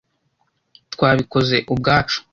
twabikoze ubwacu